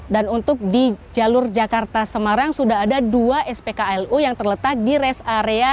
dan untuk di jalur jakarta semarang sudah ada dua spklu yang terletak di res area